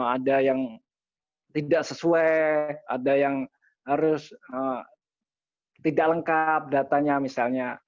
ada yang tidak sesuai ada yang harus tidak lengkap datanya misalnya